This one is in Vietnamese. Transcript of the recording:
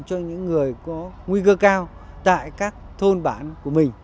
cho những người có nguy cơ cao tại các thôn bản của mình